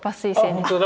あ本当だ。